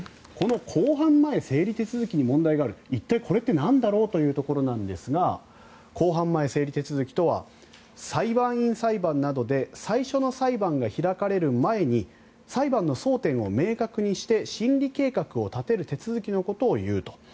この公判前整理手続きに問題がある一体これってなんだろうというところですが公判前整理手続きとは裁判員裁判などで最初の裁判が開かれる前に裁判の争点を明確にして審理計画を立てる手続きのことを言うと。